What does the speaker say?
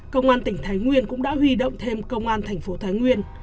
công an tỉnh thái nguyên cũng đã huy động thêm công an thành phố thái nguyên